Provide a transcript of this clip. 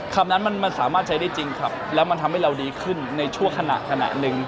คำนั้นมันสามารถใช้ได้จริงครับแล้วมันทำให้เราดีขึ้นในชั่วขณะหนึ่ง